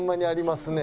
あります。